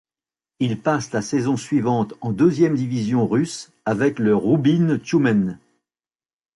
Il passe la saison suivante en deuxième division russe avec le Roubine Tioumen.